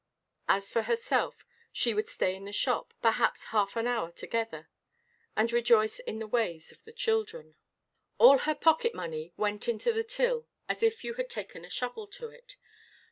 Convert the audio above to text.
As for herself, she would stay in the shop, perhaps half an hour together, and rejoice in the ways of the children. All her pocket–money went into the till as if you had taken a shovel to it.